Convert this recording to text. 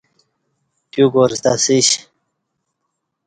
تیو کارستہ اسیش